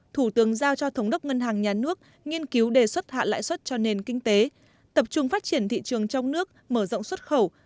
thủ tướng giao cho thống đốc ngân hàng nhà nước nghiên cứu đề xuất hạ lãi suất cho nền kinh tế tập trung phát triển thị trường trong nước mở rộng xuất khẩu